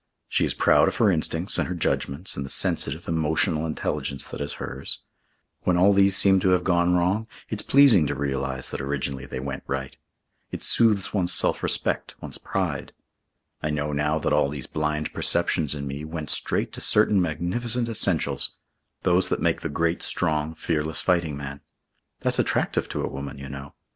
She is proud of her instincts and her judgments and the sensitive, emotional intelligence that is hers. When all these seem to have gone wrong, it's pleasing to realise that originally they went right. It soothes one's self respect, one's pride. I know now that all these blind perceptions in me went straight to certain magnificent essentials those that make the great, strong, fearless fighting man. That's attractive to a woman, you know.